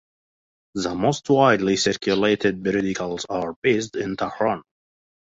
The most widely circulated periodicals are based in Tehran.